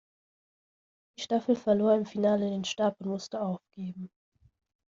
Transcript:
Die Staffel verlor im Finale den Stab und musste aufgeben.